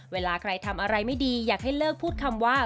เวลาใครทำอะไรไม่ดีอยากให้เลิกพูดคำว่า